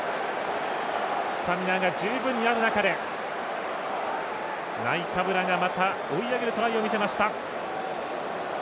スタミナが十分にある中でナイカブラが、また追い上げるトライを見せました。